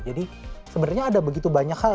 jadi sebenarnya ada begitu banyak hal